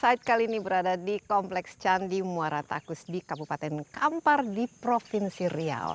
insight kali ini berada di kompleks candi muara takus di kabupaten kampar di provinsi riau